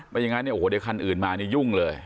อย่างเงี้ยเอาโหเดี๋ยวคันอื่นมาเนี่ยยุ่งเลย